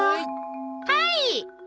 はい！